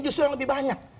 justru yang lebih banyak